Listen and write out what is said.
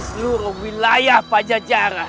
seluruh wilayah pajajaran